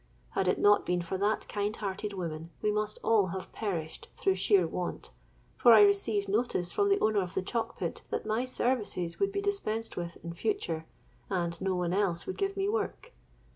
Had it not been for that kind hearted woman, we must all have perished through sheer want; for I received notice from the owner of the chalk pit that my services would be dispensed with in future, and no one else would give me work.